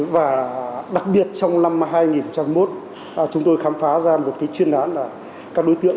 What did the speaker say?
và đặc biệt trong năm hai nghìn một chúng tôi khám phá ra một cái chuyên án là các đối tượng